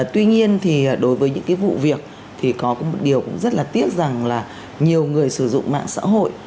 tuy nhiên thì đối với những cái vụ việc thì có một điều cũng rất là tiếc rằng là nhiều người sử dụng mạng xã hội